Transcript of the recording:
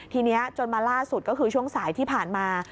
ทีนี้จนมาล่าสุดก็คือช่วงสายที่ผ่านมา